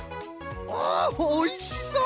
おおおいしそう！